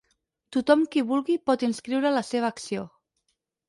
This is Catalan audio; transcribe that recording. Tothom qui vulgui, pot inscriure la seva acció.